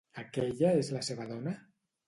—Aquella és la seva dona?